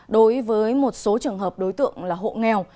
đối với một số trường hợp đối tượng là hộ nghèo